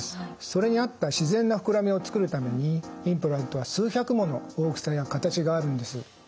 それに合った自然な膨らみを作るためにインプラントは数百もの大きさや形があるんです。